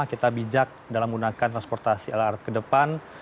kita bijak dalam menggunakan transportasi lrt ke depan